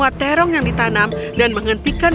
bagaimana cara ini bagaimana se supervisinya